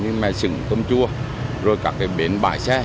như mè sừng tôm chua rồi các bến bãi xe